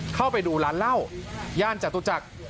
เข้าไปดูร้านเหล้าย่านจตุจักร